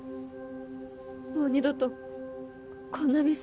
もう二度とこんなミスは。